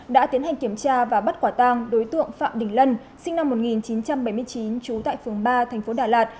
đã hành kiểm tra và bắt quả tang đối tượng phạm đình lân sinh năm một nghìn chín trăm bảy mươi chín trú tại phường ba tp đà lạt